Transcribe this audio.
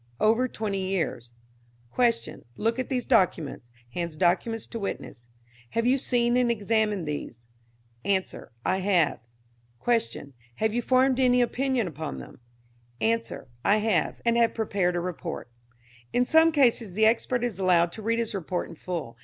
Over twenty years. Q. Look at these documents. (Hands documents to witness.) Have you seen and examined these? A. I have. Q. Have you formed any opinion upon them? A. I have, and have prepared a report. In some cases the expert is allowed to read his report in full.